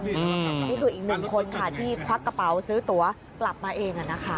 นี่คืออีกหนึ่งคนค่ะที่ควักกระเป๋าซื้อตัวกลับมาเอง